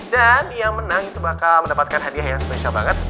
dan yang menang itu bakal mendapatkan hadiah yang spesial banget